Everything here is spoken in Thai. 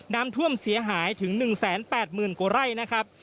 น้ำท่วมเสียหายถึง๑๘๐๐๐กว่าไร่นะครับ